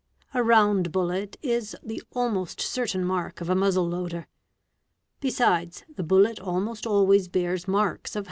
A round bullet is the almost certain mark of a muzzle loader. Besides, the bullet almost (~ always bears marks of.